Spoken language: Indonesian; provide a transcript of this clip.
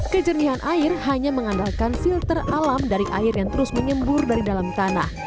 kejernihan air hanya mengandalkan filter alam dari air yang terus menyembur dari dalam tanah